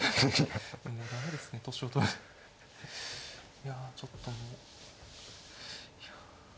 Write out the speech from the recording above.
いやちょっともういや。